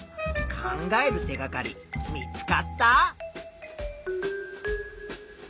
考える手がかり見つかった？